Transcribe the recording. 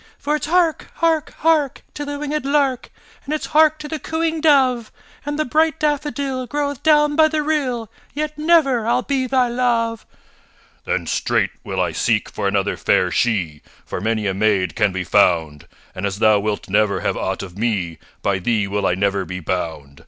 For it's hark! hark! hark! To the winged lark, And it's hark to the cooing dove! And the bright daffodil Groweth down by the rill, Yet never I'll be thy love. HE "Then straight will I seek for another fair she, For many a maid can be found, And as thou wilt never have aught of me, By thee will I never be bound.